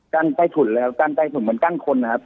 ใกล้ใต้ถุนแล้วกั้นใต้ถุนเหมือนกั้นคนนะครับ